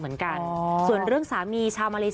อัปเดตอาการป่วยโรคมะเร็งไทรอยด์หน่อยค่ะ